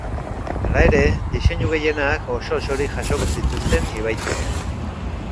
Hala ere, diseinu gehienak oso-osorik jasoko zituzten ibaitik.